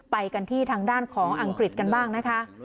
ไปกันที่ทางด้านของอังกฤษกันบ้างนะคะ